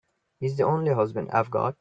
He's the only husband I've got.